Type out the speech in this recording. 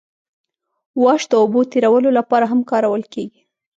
واش د اوبو تیرولو لپاره هم کارول کیږي